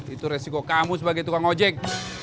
itu resiko kamu sebagai tukang ojek